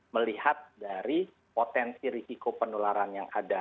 melihat dari potensi risiko penularan yang ada